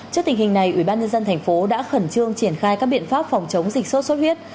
trước tình hình này ủy ban nhân dân thành phố đã khẩn trương triển khai các biện pháp phòng chống dịch sốt xuất huyết